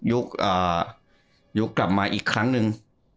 ยุคกลับมาอีกครั้งหนึ่ง